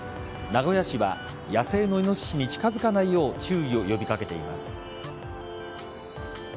名古屋市は野生のイノシシに近づかないよう注意を呼び掛けています。